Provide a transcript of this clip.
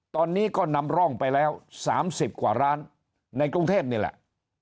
ตอนนี้ก็นำร่องไปแล้ว๓๐กว่าร้านในกรุงเทพนี่แหละ